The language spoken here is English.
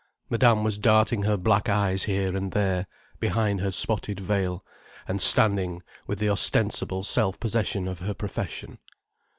Madame was darting her black eyes here and there, behind her spotted veil, and standing with the ostensible self possession of her profession.